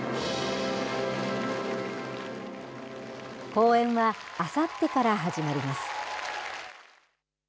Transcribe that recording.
公演はあさってから始まります。